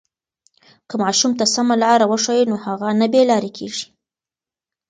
که ماشوم ته سمه لاره وښیو نو هغه نه بې لارې کېږي.